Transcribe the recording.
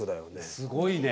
すごいね。